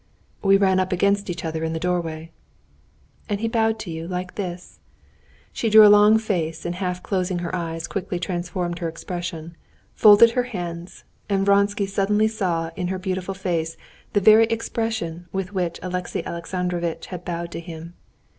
"We ran up against each other in the doorway." "And he bowed to you like this?" She drew a long face, and half closing her eyes, quickly transformed her expression, folded her hands, and Vronsky suddenly saw in her beautiful face the very expression with which Alexey Alexandrovitch had bowed to him.